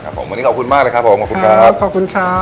วันนี้ขอบคุณมากเลยครับขอบคุณครับ